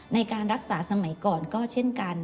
ในการรักษาสมัยก่อนก็เช่นกัน